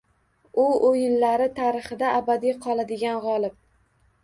U o‘yinlari tarixida abadiy qoladigan g‘olib.